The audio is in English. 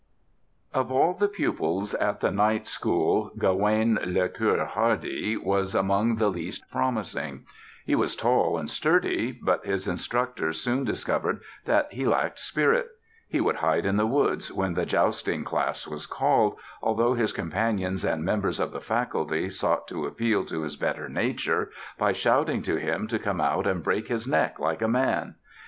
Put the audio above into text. Of all the pupils at the knight school Gawaine le Cœur Hardy was among the least promising. He was tall and sturdy, but his instructors soon discovered that he lacked spirit. He would hide in the woods when the jousting class was called, although his companions and members of the faculty sought to appeal to his better nature by shouting to him to come out and break his neck like a man.